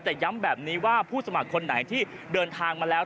แต่ย้ำแบบนี้ว่าผู้สมัครคนไหนที่เดินทางมาแล้ว